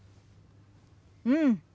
うん。